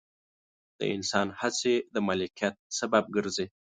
د انسان هڅې د مالکیت سبب ګرځي.